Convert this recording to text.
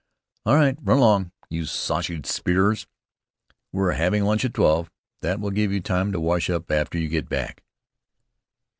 "All right; run along, you sausage spearers. We're having lunch at twelve. That will give you time to wash up after you get back."